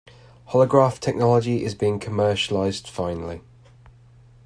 Holograph technology is being commercialized finally.